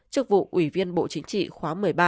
chức vụ ủy viên bộ chính trị khóa một mươi ba